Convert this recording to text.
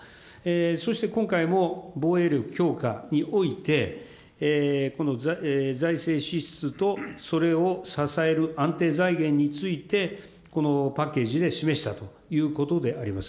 そして今回も、防衛力強化において、財政支出とそれを支える安定財源について、パッケージで示したということであります。